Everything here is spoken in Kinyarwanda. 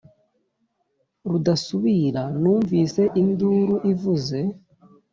rudasubira numvise induru ivuze